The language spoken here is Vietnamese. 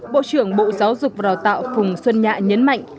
bộ trưởng bộ giáo dục và đào tạo phùng xuân nhạ nhấn mạnh